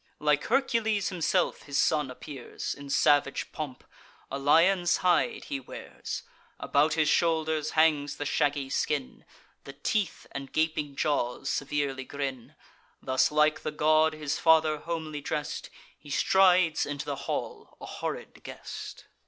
Like Hercules himself his son appears, In salvage pomp; a lion's hide he wears; About his shoulders hangs the shaggy skin; The teeth and gaping jaws severely grin. Thus, like the god his father, homely dress'd, He strides into the hall, a horrid guest.